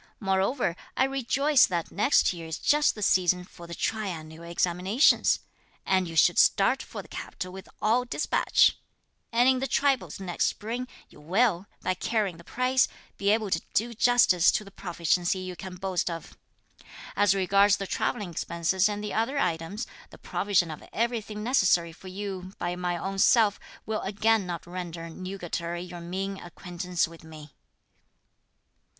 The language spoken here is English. Moreover, I rejoice that next year is just the season for the triennial examinations, and you should start for the capital with all despatch; and in the tripos next spring, you will, by carrying the prize, be able to do justice to the proficiency you can boast of. As regards the travelling expenses and the other items, the provision of everything necessary for you by my own self will again not render nugatory your mean acquaintance with me."